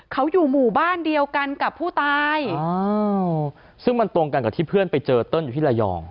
เขาอยู่หมู่บ้านเดียวกันกับผู้ตายซึ่งมันตรงกันกับที่เพื่อนไปเจอเติ้ลอยู่ที่ระยอง